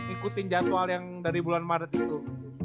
ikutin jadwal yang dari bulan maret itu